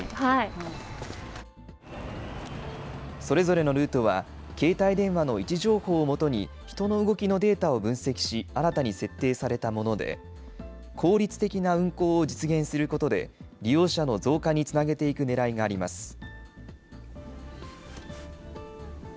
それぞれのルートは、携帯電話の位置情報を基に人の動きのデータを分析し、新たに設定されたもので、効率的な運行を実現することで、利用者の増加につなげていくねらいがあります。